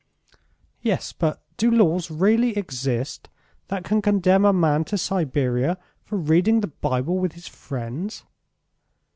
"Yes; but do laws really exist that can condemn a man to Siberia for reading the Bible with his friends?"